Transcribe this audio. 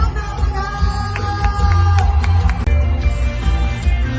มันเป็นเมื่อไหร่แล้ว